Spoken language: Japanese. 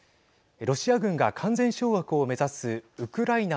ロシア軍が完全掌握を目指すウクライナ